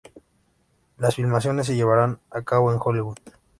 Las filmaciones se llevaron a cabo en Hollywood.